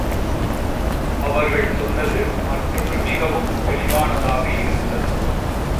அவர்கள் சொன்னது மற்றொன்று மிகவும் தெளிவானதாக இருந்தது.